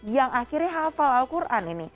yang akhirnya hafal al quran ini